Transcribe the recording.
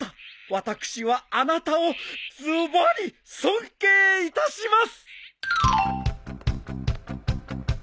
私はあなたをズバリ尊敬いたします！